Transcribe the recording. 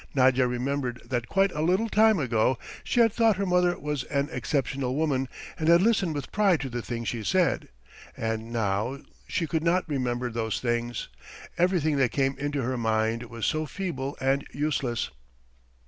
Nadya remembered that quite a little time ago she had thought her mother an exceptional woman and had listened with pride to the things she said; and now she could not remember those things, everything that came into her mind was so feeble and useless.